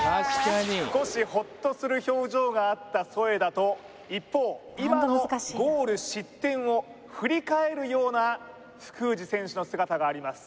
少しホッとする表情があった添田と一方今のゴール失点を振り返るような福藤選手の姿があります